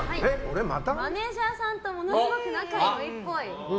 マネジャーさんとものすごく仲いいっぽい。